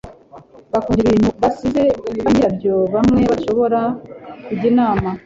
bakunda ibintu basize banyirabyo bamwe mudashobora kujya inama